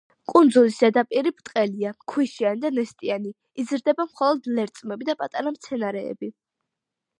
კუნძულის ზედაპირი ბრტყელია, ქვიშიანი და ნესტიანი, იზრდება მხოლოდ ლერწმები და პატარა მცენარეები.